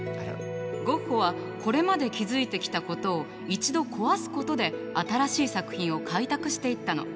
ゴッホはこれまで築いてきたことを一度壊すことで新しい作品を開拓していったの。